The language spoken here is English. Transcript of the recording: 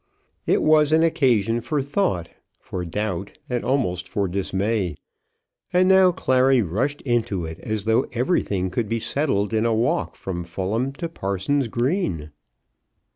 It was an occasion for thought, for doubt, and almost for dismay; and now Clary rushed into it as though everything could be settled in a walk from Fulham to Parson's Green!